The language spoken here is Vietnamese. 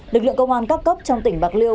lực lượng công an các cấp trong tỉnh bạc liêu